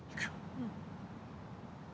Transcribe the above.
うん。